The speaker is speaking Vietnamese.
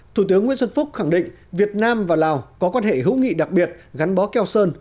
thủ tướng nguyễn xuân phúc khẳng định việt nam và lào có quan hệ hữu nghị đặc biệt gắn bó keo sơn